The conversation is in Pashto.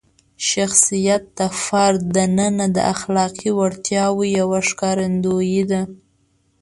شخصیت د فرد دننه د اخلاقي وړتیاوو یوه ښکارندویي ده.